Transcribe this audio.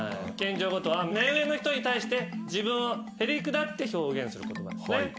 謙譲語とは目上の人に対して自分をへりくだって表現する言葉ですね。